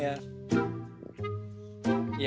ya semua kecewa sih ya